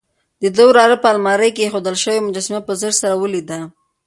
د ده وراره په المارۍ کې اېښودل شوې مجسمه په ځیر سره ولیده.